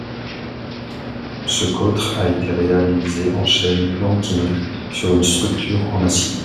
Ce cotre a été réalisé en chêne planking sur une structure en acier.